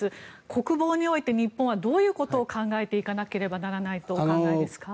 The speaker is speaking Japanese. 国防において日本はどのようなことを考えていかなければいけないとお考えですか？